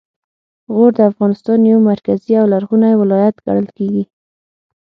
غور د افغانستان یو مرکزي او لرغونی ولایت ګڼل کیږي